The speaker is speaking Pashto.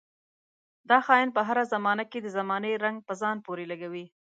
دا خاين پر هره زمانه کې د زمانې رنګ په ځان پورې لګوي.